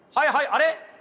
あれ？